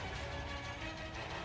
dengan jarak efektif dua ribu meter